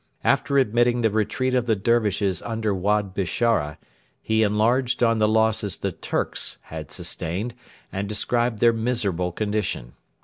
After admitting the retreat of the Dervishes under Wad Bishara, he enlarged on the losses the 'Turks' had sustained and described their miserable condition.